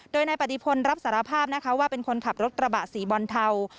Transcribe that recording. โดยนายปฏิพลรับสารภาพนะคะว่าเป็นคนขับรถกระบะสีบอลเทา